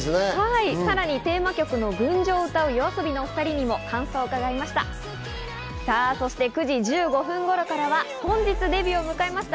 さらにテーマ曲の『群青』を歌うＹＯＡＳＯＢＩのお２人にも感想を伺いました。